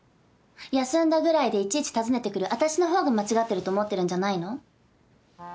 休んだぐらいでいちいち訪ねてくる私の方が間違ってると思ってるんじゃないの？